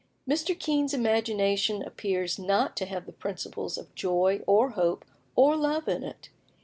Mr. Kean's imagination appears not to have the principles of joy or hope or love in it.